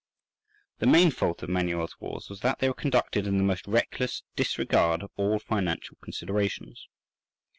_) The main fault of Manuel's wars was that they were conducted in the most reckless disregard of all financial considerations.